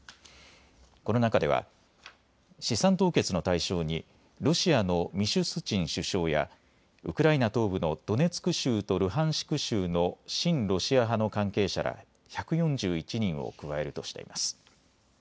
この中では資産凍結の対象にロシアのミシュスチン首相やウクライナ東部のドネツク州とルハンシク州の親ロシア派の関係者ら１４１人を加えるとしています。